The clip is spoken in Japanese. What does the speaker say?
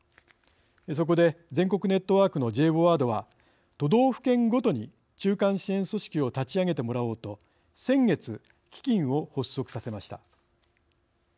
そこで全国ネットワークのＪＶＯＡＤは、都道府県ごとに「中間支援組織」を立ち上げてもらおうと先月、基金を発足させました。